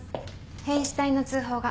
変死体の通報が。